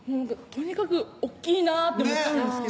とにかく大っきいなって思ったんですけど